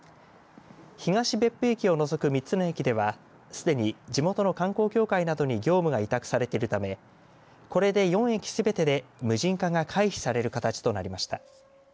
東別府駅を除く３つの駅ではすでに地元の観光協会などに業務が委託されているためこれで４駅すべてで無人化が回避される形となりました。